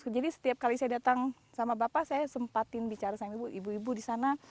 setiap kali saya datang sama bapak saya sempatin bicara sama ibu ibu di sana